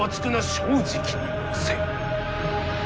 正直に申せ。